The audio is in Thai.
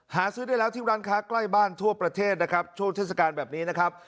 หาซื้อได้แล้วที่ร้านค้าใกล้บ้านทั่วประเทศนะครับช่วงเทศกาลแบบนี้นะครับ